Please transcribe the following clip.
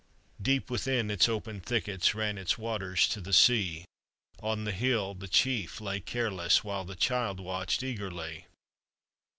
Beep, within its opened thickets, Kan its waters to the sea ; On the hill the chief lay careless, While the child watched eagerly.